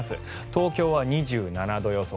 東京は２７度予想。